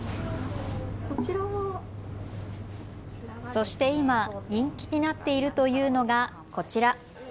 そして今、人気になっているというのがこちら。